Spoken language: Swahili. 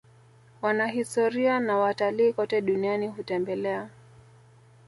wanahistoria na watalii kote duniani hutembelea